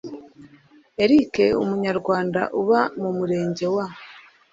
Eric Umunyarwanda uba mu Murenge wa